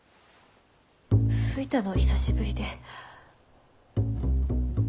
吹いたの久しぶりで。